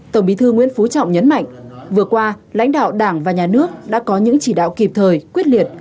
tổng bí thư nguyễn phú trọng nhấn mạnh vừa qua lãnh đạo đảng và nhà nước đã có những chỉ đạo kịp thời quyết liệt